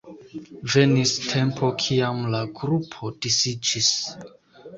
Venis tempo kiam la grupo disiĝis.